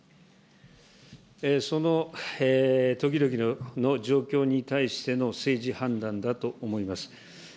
その時々の状況に対しての政治判断だと思います。